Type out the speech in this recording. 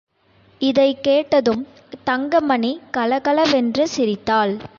இதைக் கேட்டதும் தங்கமணி கலகலவென்று சிரித்தாள்.